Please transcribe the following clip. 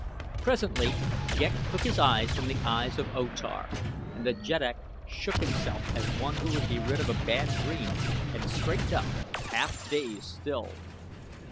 Presently Ghek took his eyes from the eyes of O Tar and the jeddak shook himself as one who would be rid of a bad dream and straightened up, half dazed still.